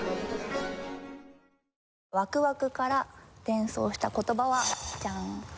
「ワクワク」から連想した言葉はジャン！